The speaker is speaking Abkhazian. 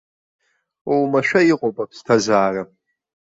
Оумашәа иҟоуп аԥсҭазаара!